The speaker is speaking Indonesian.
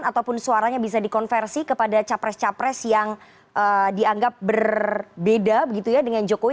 ataupun suaranya bisa dikonversi kepada capres capres yang dianggap berbeda begitu ya dengan jokowi